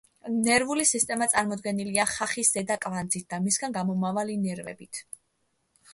ნერვული სისტემა წარმოდგენილია ხახის ზედა კვანძით და მისგან გამომავალი ნერვებით.